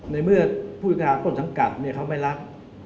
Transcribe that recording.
ในเมื่อผู้จัดการต้นสังกัดเขาไม่รัก